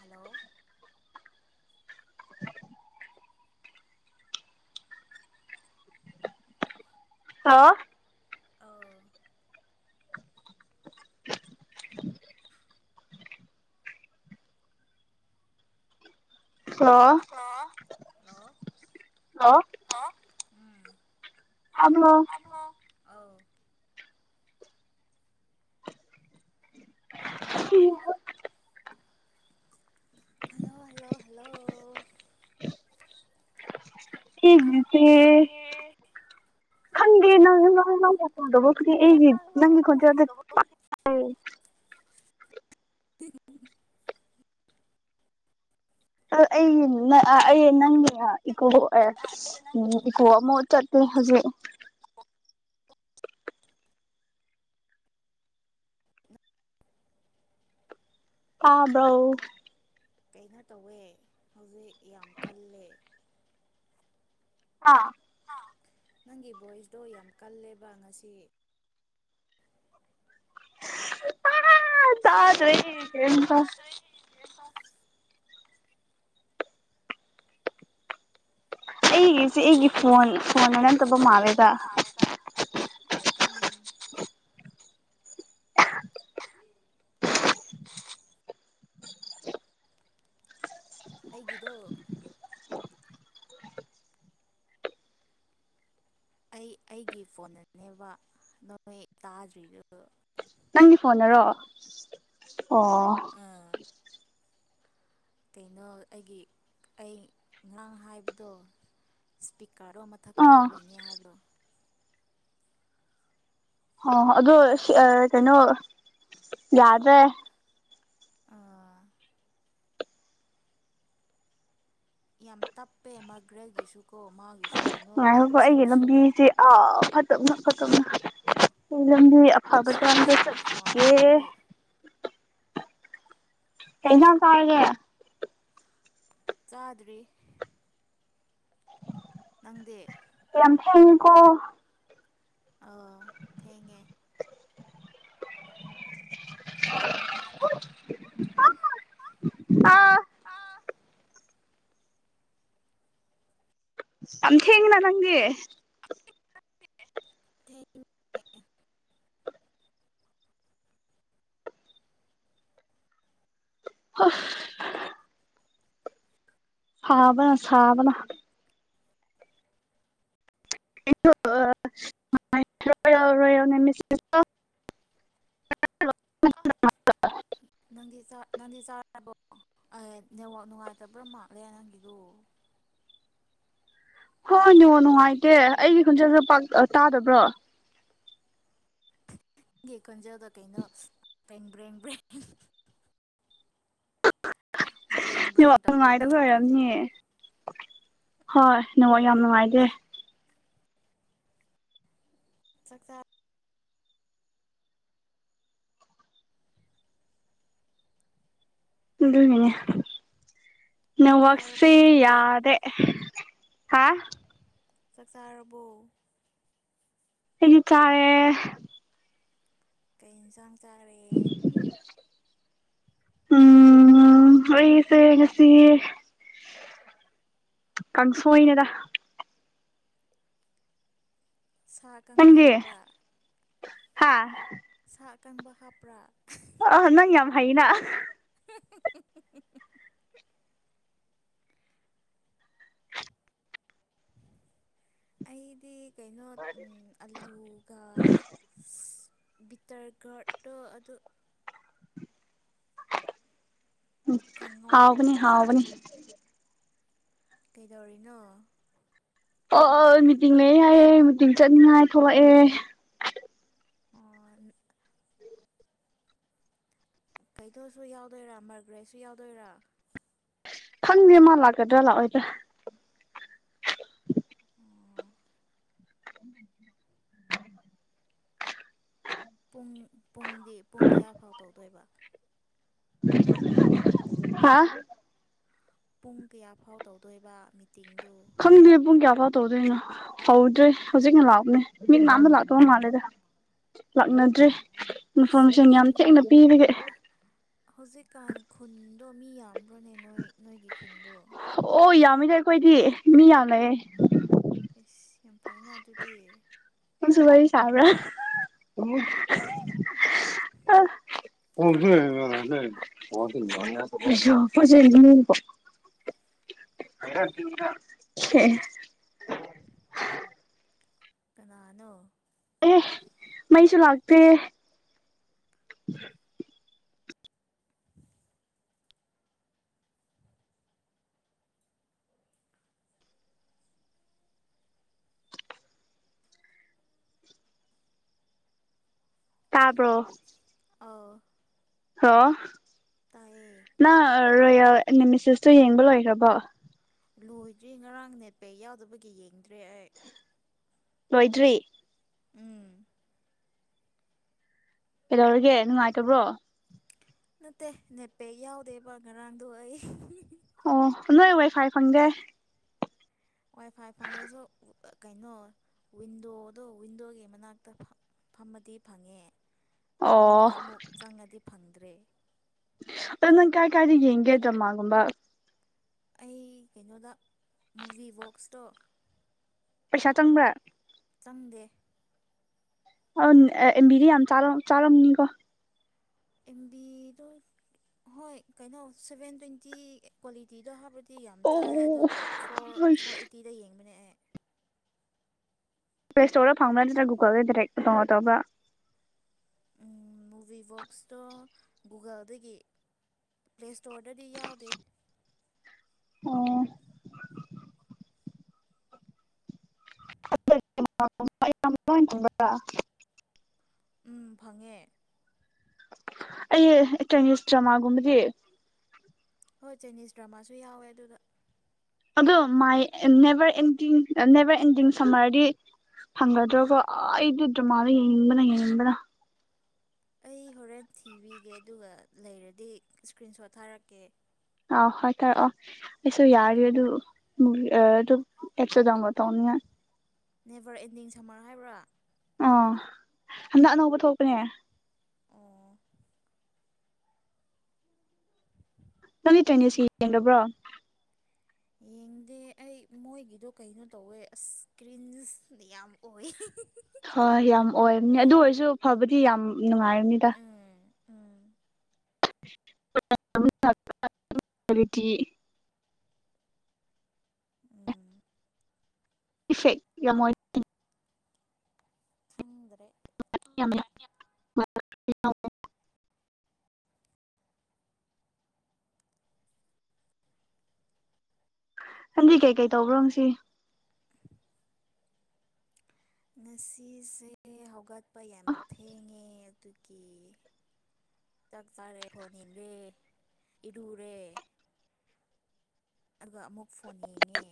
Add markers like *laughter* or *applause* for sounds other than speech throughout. hello *unintelligible* ꯑꯥ ꯑꯧ hello hello ꯍꯣ hello ꯇꯥꯑꯕꯔ‌ꯣ ꯍꯜꯂꯣ ꯎꯝ ꯍꯜꯂꯣ ꯑꯧ ꯍꯜꯂꯣ ꯍꯜꯂꯣ ꯍꯜꯂꯣ ꯁꯦꯒꯤꯁꯦ ꯅꯪ ꯅꯗꯕꯣ ꯑꯩꯒꯤ ꯅꯪ ꯈꯣꯟꯖꯦꯜꯁꯦ ꯑ ꯑꯩ ꯑꯩ ꯅꯪꯒꯤ ꯏꯀꯣ ꯏꯀꯣ ꯑꯃ ꯆꯠꯂꯦ ꯍꯧꯖꯤꯛ ꯑꯥꯕꯎ ꯀꯩꯅꯣ ꯇꯧꯋꯦ ꯍꯧꯖꯤꯛ ꯌꯥꯝ ꯀꯜꯂꯦ ꯑꯥ ꯅꯪꯒꯤ ꯚꯣꯏꯁꯇꯣ ꯌꯥꯝ ꯀꯜꯂꯦꯕ ꯉꯁꯤ *unintelligible* ꯑ ꯆ꯭ꯔꯦ ꯍꯦꯒꯕ *unintelligible* ꯑꯩꯒꯤꯁꯤ ꯑꯩꯒꯤ ꯏꯔꯦ ꯐꯣꯟ ꯑꯩꯒꯤ ꯐꯣꯟꯅ ꯐꯣꯟ ꯅꯠꯇꯕ ꯐꯣꯟꯅꯦ ꯃꯥꯜꯂꯦꯗ ꯅꯠꯇꯕ ꯃꯥꯜꯂꯦꯗ ꯎꯝ ꯑꯩꯒꯤꯗꯣ ꯑꯩ ꯑꯩꯒꯤ ꯐꯣꯟꯗꯅꯦꯕ ꯅꯣꯡꯣꯏ ꯇꯥꯗ꯭ꯔꯤꯗꯨ ꯅꯪꯒꯤ ꯐꯣꯟꯔꯣ ꯑꯣ ꯑꯥ ꯀꯩꯅꯣ ꯑꯩꯒꯤ ꯑꯩ ꯉꯔꯥꯡ ꯍꯥꯏꯕꯗꯣ ꯀꯔꯝꯕ ꯃꯊꯛꯇ ꯑꯥ ꯑꯣꯏꯕꯅꯤ ꯍꯥꯏꯕꯗꯣ ꯍꯣ ꯑꯣ ꯑꯗꯨꯗꯣ ꯀꯩꯅꯣ ꯌꯥꯗ꯭ꯔꯦ ꯑꯥ ꯌꯥꯝ ꯇꯞꯄꯦ ꯃꯥꯒ꯭ꯔꯦꯒꯤꯁꯨ ꯀꯣ ꯃꯥꯒꯤꯁꯨ ꯀꯩꯅꯣ ꯉꯣ ꯑꯩꯒꯤ ꯁꯦꯝꯁꯨꯡ ꯂꯝꯕꯤꯁꯦ *unintelligible* ꯑꯣ ꯎꯅ ꯐꯣꯝꯅ ꯂꯝꯕꯤ ꯑꯐꯕ ꯆꯥꯗꯦ ꯁꯦꯝꯁꯨꯡ ꯐꯣꯟ ꯆꯠꯀꯦ ꯑꯣꯏꯕꯒꯤ ꯍꯩꯅ ꯀꯔꯒꯦ ꯆꯥꯗ꯭ꯔꯤ ꯅꯪꯗꯦ *unintelligible* ꯀꯣ ꯑꯣ ꯊꯦꯡꯉꯦ ꯑꯥ ꯌꯥꯝ ꯊꯦꯡꯉꯤꯅ ꯅꯪꯗꯤ *unintelligible* *unintelligible* ꯍꯥꯥꯕꯅ ꯁꯥꯥꯕꯅ *unintelligible* ꯅꯪꯗꯤ ꯆꯥ ꯅꯪꯗꯤ ꯆꯥꯔꯕꯣ ꯑꯑ ꯅꯦꯠꯋꯥꯛ ꯅꯨꯡꯉꯥꯏꯇꯕ꯭ꯔꯃ ꯃꯥꯠꯂꯦ ꯅꯪꯒꯤꯗꯨ ꯍꯣꯏ ꯅꯦꯋꯥꯛ ꯅꯨꯡꯉꯥꯏꯇꯦ ꯑꯩꯒꯤ ꯈꯣꯟꯖꯦꯜꯁꯨ ꯄꯥꯛ ꯇꯥꯗꯕ꯭ꯔꯣ ꯅꯪꯒꯤ ꯈꯣꯟꯖꯦꯜꯗꯣ ꯀꯩꯅꯣ ꯕ꯭ꯔꯦꯡ ꯕ꯭ꯔꯦꯡ ꯕ꯭ꯔꯦꯡ ꯕ꯭ꯔꯦꯡ ꯅꯦꯋꯥꯛ ꯕ꯭ꯔꯦꯡ ꯇꯧꯋꯦ ꯅꯨꯡꯉꯥꯏꯗꯕ ꯅꯪꯒꯤ ꯑꯣꯏꯔꯝꯅꯤ ꯈꯣꯟꯖꯦꯜꯗꯨ ꯍꯣꯏ ꯅꯦꯠꯋꯥꯛ ꯌꯥꯝ ꯅꯨꯡꯉꯥꯏꯇꯦ ꯆꯥꯛꯆꯥ ꯂꯣꯏꯅꯅꯤ ꯆꯥꯛ ꯆꯥꯔꯕꯣ ꯅꯦꯠꯋꯥꯛꯁꯤ ꯅꯪꯗꯤ ꯌꯥꯗꯦ ꯑꯦ ꯍꯥ ꯆꯥꯛ ꯆꯥꯥꯔꯕꯣ ꯑꯩꯗꯤ ꯆꯥꯔꯦ ꯀꯩ ꯏꯟꯁꯥꯡ ꯆꯥ ꯎꯝ ꯑꯩꯁꯦ ꯉꯁꯤ ꯀꯥꯡꯁꯣꯏꯅꯦꯗ ꯁꯥ ꯑꯀꯪꯕ ꯍꯥꯞꯄ꯭ꯔꯥ ꯍꯥꯥ ꯁꯥ ꯑꯀꯪꯕ ꯍꯥꯞꯄ꯭ꯔꯥ ꯑ ꯅꯪ ꯌꯥꯝ ꯍꯩꯅꯥ ꯍꯨꯡ ꯍꯨꯡ ꯍꯨꯡ ꯍꯨꯡ ꯍꯨꯡ ꯍꯨꯡ ꯍꯨꯡ ꯑꯩꯗꯤ ꯀꯩꯅꯣ ꯑꯂꯨꯒ ꯕꯤꯇꯔꯒꯔꯠꯇꯣ ꯑꯗꯨ ꯎꯝ ꯀꯥꯡꯉꯧ ꯍꯥꯎꯕꯅꯤ ꯍꯥꯎꯕꯅꯤ ꯀꯩꯗꯧꯔꯤꯅꯣ ꯑꯣ ꯑꯣ ꯃꯤꯇꯤꯡ ꯂꯩꯌꯦ ꯍꯥꯏꯌꯦ ꯃꯤꯇꯤꯡ ꯆꯠꯅꯤꯡꯉꯥꯏ ꯊꯣꯛꯂꯛꯑꯦ ꯑꯣ ꯀꯩꯊꯧꯁꯨ ꯌꯥꯎꯗꯣꯏꯔꯥ ꯃꯥꯔꯒ꯭ꯔꯦꯁꯨ ꯌꯥꯎꯗꯣꯏꯔꯥ ꯈꯪꯗꯦ ꯃꯥ ꯂꯥꯛꯀꯗ꯭ꯔꯥ ꯂꯥꯛꯑꯣꯏꯗ꯭ꯔꯥ *inaudible* *inaudible* ꯄꯨꯡ ꯄꯨꯡꯗꯤ ꯄꯨꯡ ꯀꯌꯥꯐꯥꯎ ꯇꯧꯗꯣꯏꯕ ꯍꯥ ꯄꯨꯡ ꯀꯌꯥꯐꯥꯎ ꯇꯧꯗꯣꯏꯕ ꯃꯤꯇꯤꯡꯗꯨ ꯈꯪꯗꯦ ꯄꯨꯡ ꯀꯌꯥꯐꯥꯎ ꯇꯧꯗꯣꯏꯅꯣ ꯍꯧꯗ꯭ꯔꯤ ꯍꯧꯖꯤꯛꯅ ꯂꯥꯛꯑꯕꯅꯦ ꯃꯤ ꯀꯅꯥꯝꯗ ꯂꯥꯛꯇꯕ ꯃꯥꯜꯂꯦꯗ ꯂꯥꯛꯅꯗ꯭ꯔꯤ ꯏꯟꯐꯣꯔꯃꯦꯁꯟ ꯈꯨꯟ ꯌꯥꯝ ꯊꯦꯡꯅ ꯄꯤꯕꯒꯤ *unintelligible* ꯕ꯭ꯔꯣꯅꯦ ꯅꯣꯏ ꯅꯣꯏꯒꯤ ꯈꯨꯟꯗꯣ ꯈꯣꯏꯗꯤ ꯃꯤ ꯌꯥꯝ ꯂꯩꯑꯦ ꯏꯁ ꯌꯥꯝ ꯐꯩꯅ ꯑꯗꯨꯗꯤ ꯁꯨ ꯋꯥꯔꯤ ꯁꯥꯕ꯭ꯔꯥ *unintelligible* ꯀꯅꯥꯅꯣ ꯑꯦ ꯃꯩꯁꯨ ꯂꯥꯛꯇꯦ *unintelligible* ꯇꯥꯕ꯭ꯔꯣ ꯑꯧ *unintelligible* ꯇꯥꯏꯌꯦ ꯅ ꯔꯣꯌꯥꯜ ꯑꯦꯅꯦꯃꯤꯁꯤꯁꯇꯣ ꯌꯦꯡꯕ ꯂꯣꯏꯈ꯭ꯔꯕꯣ ꯂꯣꯏꯗ꯭ꯔꯤ ꯉꯔꯥꯡ ꯅꯦꯠꯄꯦꯛ ꯌꯥꯎꯗꯕꯒꯤ ꯌꯦꯡꯗ꯭ꯔꯦ ꯑꯩ ꯂꯣꯏꯗ꯭ꯔꯤ ꯎꯝ ꯀꯩꯗꯧꯔꯒꯦ ꯅꯨꯡꯉꯥꯏꯇꯕ꯭ꯔꯣ ꯅꯠꯇꯦ ꯅꯦꯠꯄꯦꯛ ꯌꯥꯎꯗꯦꯕ ꯉꯔꯥꯡꯗꯣ ꯑꯩ ꯑꯣ ꯅꯣꯏ ꯋꯥꯏ ꯐꯥꯏ ꯐꯪꯗꯦ ꯋꯥꯏ ꯐꯥꯏ ꯐꯪꯈ꯭ꯔꯁꯨ ꯀꯩꯅꯣ ꯋꯤꯟꯗꯣꯗꯣ ꯋꯤꯟꯗꯣꯒꯤ ꯃꯅꯥꯛꯇ ꯐꯝꯃꯗꯤ ꯐꯪꯉꯦ ꯑꯣ ꯐꯃꯨꯡꯗ ꯑꯃꯨꯛ ꯆꯪꯉꯗꯤ ꯐꯪꯗ꯭ꯔꯦ ꯑ ꯅꯪ ꯀꯥꯏ ꯀꯥꯏꯗ ꯌꯦꯡꯒꯦ ꯗ꯭ꯔꯃꯥ ꯒꯨꯝꯕ ꯑꯩ ꯀꯩꯅꯣꯗ ꯃꯨꯚꯤ ꯕꯣꯛꯁꯇꯣ ꯄꯩꯁꯥ ꯆꯪꯕ꯭ꯔꯥ ꯆꯪꯗꯦ *unintelligible* ꯌꯥꯝ ꯆꯥꯔꯝꯅꯤꯀꯣ ꯑꯦꯝꯕꯤꯗꯣ ꯍꯣꯏ ꯀꯩꯅꯣ ꯁꯚꯦꯟ ꯇ꯭ꯋꯦꯟꯇꯤ ꯀ꯭ꯋꯥꯂꯤꯇꯤꯗꯣ ꯍꯥꯞꯂ *unintelligible* ꯌꯥꯝ ꯆꯥꯏ ꯑꯗꯣ ꯑꯣ ꯐꯣꯔ ꯄ꯭ꯂꯦ ꯐꯣꯔ ꯑꯩꯇꯤꯗ ꯌꯦꯡꯕꯅꯦ ꯑꯩ ꯄ꯭ꯂꯦ ꯁꯇꯣꯔꯗ ꯐꯪꯕ꯭ꯔꯥ ꯅꯠꯇ꯭ꯔꯒ ꯒꯨꯒꯜꯗ ꯗꯥꯏꯔꯦꯛ *unintelligible* ꯇꯧꯕ꯭ꯔꯥ ꯎꯝ ꯚꯤꯚꯣꯛꯁꯇꯣ ꯒꯨꯒꯜꯗꯒꯤ ꯄ꯭ꯂꯦ ꯁ꯭ꯇꯣꯔꯗꯗꯤ ꯌꯥꯎꯗꯦ ꯑꯣ *unintelligible* ꯎꯝ ꯐꯪꯉꯦ ꯑꯩ ꯆꯥꯏꯅꯤꯁ ꯗ꯭ꯔꯃꯥ ꯒꯨꯝꯕꯗꯤ ꯍꯣꯏ ꯆꯥꯏꯅꯤꯁ ꯗ꯭ꯔꯃꯥꯁꯨ ꯌꯥꯎꯑꯦ ꯑꯗꯨꯗ ꯑꯗꯣ ꯃꯥꯏ ꯅꯦꯚꯔ ꯑꯦꯟꯗꯤꯡ ꯅꯦꯚꯔ ꯑꯦꯟꯗꯤꯡ ꯁꯝꯃꯔꯗꯤ ꯐꯪꯒꯗ꯭ꯔꯣꯀꯣ ꯑꯩꯗꯨ ꯗ꯭ꯔꯃꯥꯗꯣ ꯌꯦꯡꯅꯤꯡꯕꯅ ꯌꯦꯡꯅꯤꯡꯕꯅ ꯑꯩ ꯍꯣꯔꯦꯟ ꯊꯤꯕꯤꯒꯦ ꯑꯗꯨꯒ ꯂꯩꯔꯗꯤ ꯏꯁꯀ꯭ꯔꯤꯟ ꯁꯣꯠ ꯊꯥꯔꯛꯀꯦ ꯑ ꯍꯣꯏ ꯊꯔꯛꯑꯣ ꯑꯩꯁꯨ ꯌꯥꯔꯦ ꯑꯗꯨ ꯎꯝ ꯑꯗ ꯑꯦꯞꯁꯨ ꯗꯥꯎꯟꯂꯣꯗ ꯇꯧꯅꯤꯡ ꯉꯥꯏ ꯅꯦꯚꯔ ꯑꯦꯟꯗꯤꯡ ꯁꯝꯃꯔ ꯍꯥꯏꯕ꯭ꯔꯥ ꯑ ꯍꯟꯗꯛ ꯑꯅꯧꯕ ꯊꯣꯛꯄꯅꯦ ꯑꯣ ꯅꯪꯅꯤ ꯇ꯭ꯔꯔꯤꯅꯦ ꯁꯤ ꯌꯦꯡꯕ꯭ꯔꯣ ꯌꯦꯡꯗꯦ ꯑꯩ ꯃꯣꯏꯒꯤꯗꯣ ꯀꯩꯅꯣ ꯇꯧꯋꯦ ꯑ ꯏꯁꯀ꯭ꯔꯤꯟꯁꯗꯤ ꯌꯥꯝ ꯑꯣꯏ ꯍꯣꯏ ꯌꯥꯝ ꯑꯣꯏꯅꯦ ꯑꯗꯨ ꯑꯣꯏꯔꯁꯨ ꯐꯕꯗꯤ ꯌꯥꯝ ꯅꯨꯡꯉꯥꯏꯔꯅꯤꯗ ꯎꯝ ꯎꯝ ꯤ ꯎꯝ ꯏꯦꯛ ꯌꯥꯝ ꯃꯣꯏ ꯈꯪꯗ *unintelligible* *unintelligible* ꯍꯟꯖꯤ ꯀꯩꯀꯩ ꯇꯧꯕ꯭ꯔꯣ ꯁꯤ ꯉꯁꯤꯁꯦ ꯍꯧꯒꯠ ꯌꯥꯝ ꯊꯉꯦ ꯑꯗꯨꯒꯤ ꯆꯥꯛ ꯆꯥꯔꯦ ꯐꯣꯟ ꯌꯦꯔꯦ ꯏꯔꯨꯔꯦ ꯑꯗꯨꯒ ꯑꯃꯨꯛ ꯐꯣꯟ ꯌꯦꯡꯉꯦ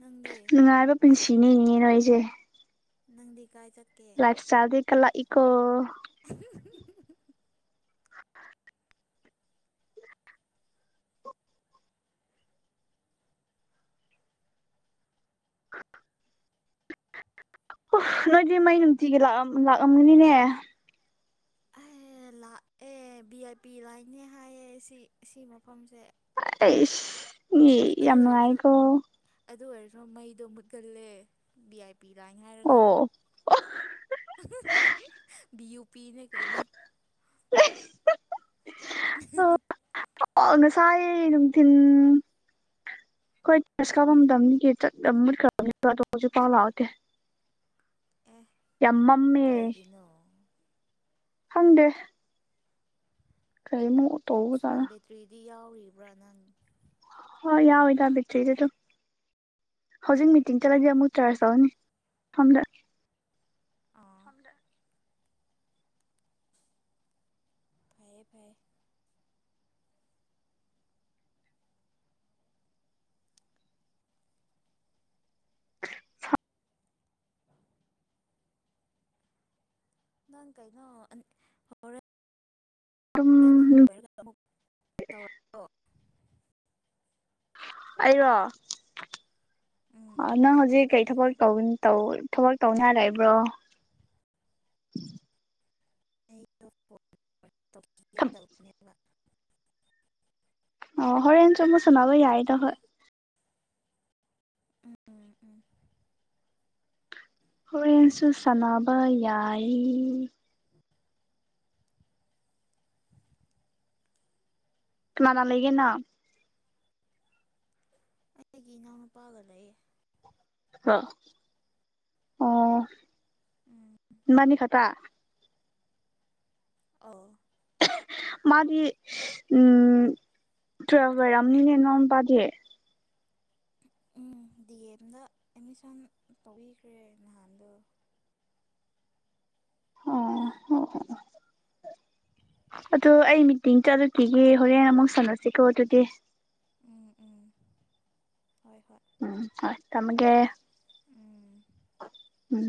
ꯅꯪꯗꯤ ꯅꯨꯡꯉꯥꯏꯕ ꯄꯨꯁꯤ ꯆꯅꯦ ꯌꯦ ꯔꯣꯏꯁꯦ ꯅꯪꯗꯤ ꯀꯥꯏ ꯆꯠ ꯂꯥꯏꯐ ꯁꯇꯥꯏꯜꯗꯤ ꯀꯂ ꯀꯣ *unintelligible* ꯎ ꯅꯣꯏꯗꯤ ꯃꯩ ꯅꯨꯡꯇꯤꯒꯤ ꯂꯥꯛꯑꯝꯒꯅꯤꯅꯦ ꯂꯥꯛꯑꯦ ꯑꯦ ꯚꯤ ꯑꯥꯏ ꯄꯤ ꯂꯥꯏꯅꯦ ꯍꯥꯏꯌꯦ ꯁꯤ ꯁꯤ ꯃꯐꯝꯁꯦ ꯑꯁ ꯌꯦ ꯑꯗꯨ ꯌꯥꯝꯅꯨꯡꯉꯏꯀꯣ ꯣ ꯃꯩꯗꯣ ꯃꯨꯠꯀꯜꯂꯦ ꯕꯤ ꯑꯥꯏ ꯄꯤꯤ ꯂꯥꯏ ꯍꯥꯏꯔꯒ ꯕꯤ ꯌꯨ ꯄꯤꯅ ꯀꯩꯅꯣ *unintelligible* ꯑꯣ ꯉꯁꯥꯏ ꯅꯨꯡꯊꯤꯟ ꯑꯩꯈꯣꯏ ꯇꯔꯁ ꯀꯥꯄꯗꯅꯤꯒꯤ ꯆ ꯃꯨꯠꯈ꯭ꯔꯕꯅꯤ ꯑꯗꯨꯣ ꯍꯧꯖꯤꯛ ꯄꯥꯎ ꯂꯥꯛꯑꯣꯗꯦ ꯑꯦ ꯌꯥꯝꯃꯝꯃꯤ ꯀꯩꯒꯤꯅꯣ ꯍꯪꯗꯦ ꯀꯥꯏꯃ ꯐꯣꯟ ꯕꯦꯇꯔꯤꯗꯤ ꯌꯥꯎꯔꯤꯕ꯭ꯔꯥ ꯅꯪ ꯍꯣꯏ ꯌꯥꯎꯋꯦꯗ ꯕꯦꯇ꯭ꯔꯤꯗ ꯑꯗꯨ ꯍꯧꯖꯤꯛ ꯃꯤꯇꯤꯡ ꯆꯠꯂꯗꯤ ꯑꯃꯨꯛ ꯆꯥꯔꯖ ꯇꯧꯅꯤ ꯁꯣꯝꯗ ꯑ ꯐꯩꯦ ꯐꯩꯦ ꯅꯥꯟ ꯀꯥꯏꯩꯅꯔ ꯑꯗꯨꯝ ꯑꯦꯝ ꯛ ꯇꯧꯣ ꯑꯩꯔꯣ ꯎꯝ ꯅꯪ ꯍꯧꯖꯤꯛ ꯀꯩ ꯊꯕꯛ ꯊꯕꯛ ꯇꯧꯅꯔꯛꯏꯕ꯭ꯔꯣ ꯑꯩ ꯇꯄꯣ ꯇꯦ ꯇꯅꯦ ꯑꯣ ꯍꯣꯔꯦꯟꯦꯟ ꯆꯨꯝ ꯑꯃꯨ ꯁꯅꯕ ꯌꯥꯏꯗ ꯍꯣꯏ ꯎꯝ ꯎꯝ ꯎꯝ ꯍꯣꯔꯦꯟꯁꯨ ꯁꯥꯟꯅꯕ ꯌꯥꯏ ꯃꯅ ꯂꯩ ꯂꯩꯒꯦꯅ ꯑꯩꯒꯤ ꯏꯅꯥꯎꯅꯨꯄꯥꯒ ꯂꯩꯌꯦ ꯑ ꯑꯣ ꯎꯝ ꯏꯅꯤ ꯈꯇ ꯑ ꯃꯥꯗꯤ ꯎꯝ ꯇꯔꯝꯅꯤꯅꯦ ꯅꯝ ꯄꯗꯤꯦ ꯎꯝ ꯗꯤ ꯑꯦꯝꯗ ꯑꯦꯠꯃꯤꯁꯟ ꯇꯧꯕꯤꯈ꯭ꯔꯦ ꯅꯍꯥꯟꯗꯣ ꯑꯣ ꯑꯣ ꯑꯣ ꯑꯗꯨ ꯑꯩ ꯃꯤꯇꯤꯡꯗ ꯑꯗꯨ ꯄꯒ ꯍꯣꯔꯦꯟ ꯑꯃꯨꯛ ꯁꯅꯁꯤꯀꯣ ꯑꯗꯨꯗꯤ ꯎꯝ ꯎꯝ ꯍꯣꯏ ꯍꯣꯏ ꯎꯝ ꯇꯝꯦ ꯎꯝ ꯎꯝ